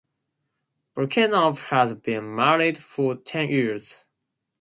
Volchenkov has been married for ten years.